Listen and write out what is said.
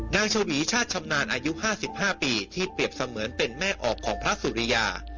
นางเฉวีชาติชำนาญอายุห้าสิบห้าปีที่เปรียบเสมือนเป็นแม่ออกของพระสุริยา